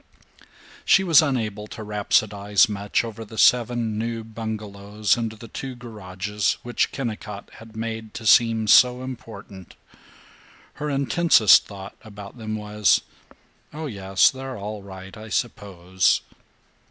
She was unable to rhapsodize much over the seven new bungalows and the two garages which Kennicott had made to seem so important. Her intensest thought about them was, "Oh yes, they're all right I suppose."